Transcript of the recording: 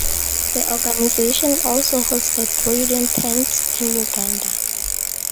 The organization also hosted reading tents in Uganda.